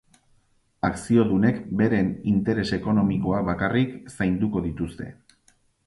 Akziodunek beren interes ekonomikoak bakarrik zainduko dituzte.